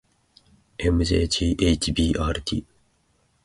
ｍｊｇｈｂｒｔ